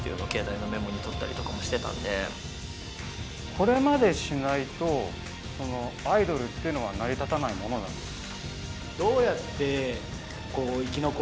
これまでしないとアイドルっていうのは成り立たないものなんですか？